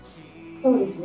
そうですね。